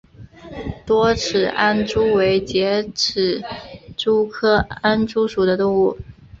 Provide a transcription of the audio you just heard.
多齿安蛛为栉足蛛科安蛛属的动物。